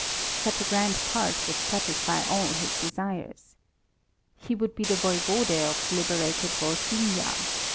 Such a grand part would satisfy all his desires. He would be the Voivode of liberated Volhynia.